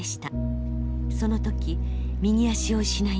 その時右足を失いました。